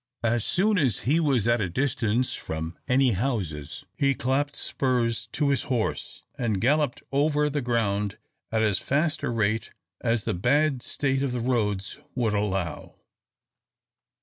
As soon as he was at a distance from any houses, he clapped spurs to his horse and galloped over the ground at as fast a rate as the bad state of the roads would allow.